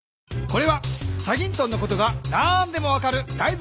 これは『チャギントン』のことが何でも分かるだい